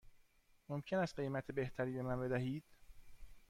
ممکن است قیمت بهتری به من بدهید؟